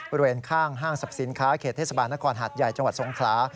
บริเวณข้างห้างศัพท์สินค้าเขตเทศบาลนครหัสใหญ่จังหวัดทรงคลา